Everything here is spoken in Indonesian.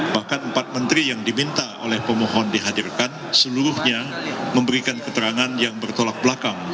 bahkan empat menteri yang diminta oleh pemohon dihadirkan seluruhnya memberikan keterangan yang bertolak belakang